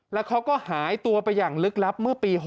แล้วเขาก็หายตัวไปอย่างลึกลับเมื่อปี๖๐